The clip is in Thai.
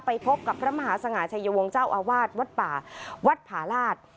พบกับพระมหาสง่าชัยวงศ์เจ้าอาวาสวัดป่าวัดผาลาศ